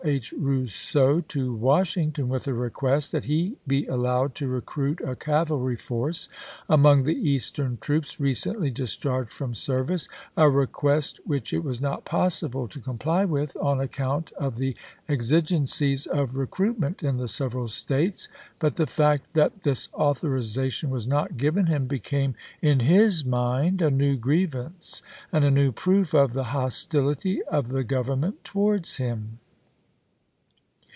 H. Rousseau to Washington with a request that he be allowed to recruit a cavalry force Rosecrans ^^<^i^g the Eastcm troops recently discharged from ^Kepo?r'' service, a request which it was not possible to Scon'S comply with on account of the exigencies of re ""^ ^ii65^'^''' cruitment in the several States, but the fact that p.' 28. " this authorization was not given him became in THE MAECH TO CHATTANOOGA 47 his mind a new grievance and a new proof of the chap. hi. hostility of the Government towards him.